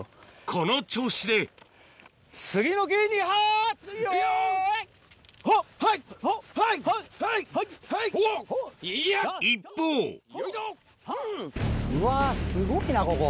この調子で一方うわすごいなここ。